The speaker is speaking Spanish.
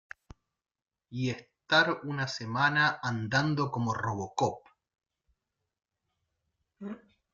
y estar una semana andando como Robocop.